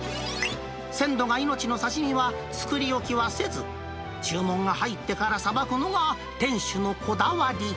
鮮度が命の刺身は、作り置きはせず、注文が入ってからさばくのが店主のこだわり。